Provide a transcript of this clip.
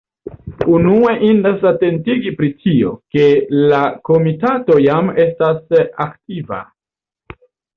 Unue indas atentigi pri tio, ke la Komitato jam estas aktiva.